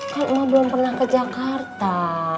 kan emak belum pernah ke jakarta